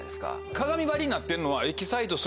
鏡張りになってんのは。